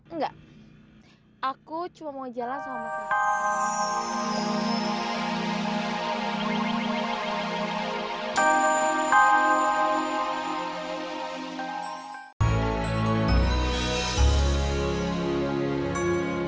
enggak aku cuma mau jalan sama mas rangga